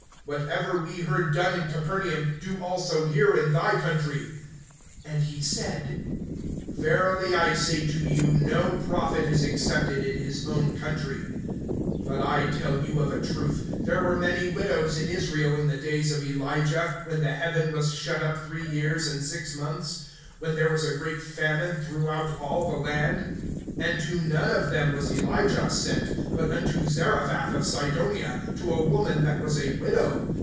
Whatever we heard done in Capernaum, do also here in thy country. (24)And he said: Verily I say to you, no prophet is accepted in his own country. (25)But I tell you of a truth, there were many widows in Israel in the days of Elijah, when the heaven was shut up three years and six months, when there was a great famine throughout all the land; (26)and to none of them was Elijah sent, but unto Zarephath of Sidonia, to a woman that was a widow.